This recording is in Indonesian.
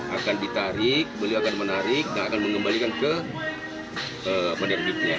akan ditarik beliau akan menarik dan akan mengembalikan ke penerbitnya